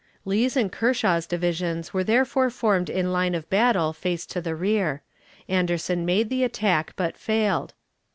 Lee's and Kershaw's divisions were therefore formed in line of battle faced to the rear. Anderson made the attack, but failed.